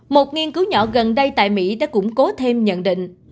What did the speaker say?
một nghiên cứu nhỏ gần đây tại mỹ đã củng cố thêm nhận định